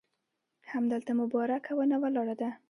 همدلته مبارکه ونه ولاړه ده.